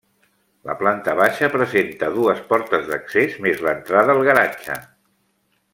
La planta baixa presenta dues portes d'accés més l'entrada al garatge.